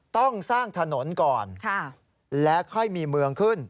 ต้องสร้างถนนก่อนและค่อยมีเมืองขึ้น